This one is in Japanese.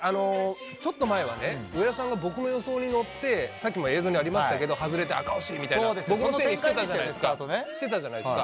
ちょっと前は上田さんが僕の予想に乗ってさっきも映像にありましたが外して、赤星！って僕のせいにしてたじゃないですか。